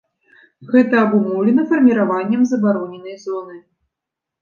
Гэта абумоўлена фарміраваннем забароненай зоны.